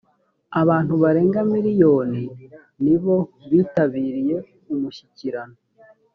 abantu barenga miriyoni nibo bitabiriye umushyikirano